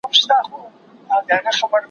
که غر وي، نو ټولو ته غر ښکاري.